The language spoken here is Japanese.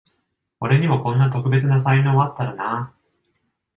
俺にもこんな特別な才能あったらなあ